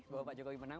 bahwa pak jokowi menang